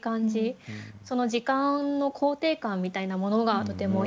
その時間の肯定感みたいなものがとても印象的でした。